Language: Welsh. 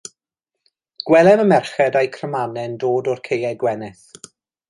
Gwelem y merched a'u crymanau'n dod o'r caeau gwenith.